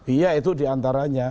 iya itu diantaranya